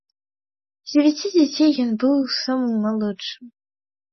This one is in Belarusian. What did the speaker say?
З дзевяці дзяцей ён быў самым малодшым.